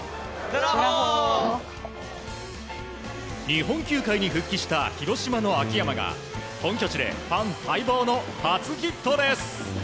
日本球界に復帰した広島の秋山が本拠地でファン待望の初ヒットです。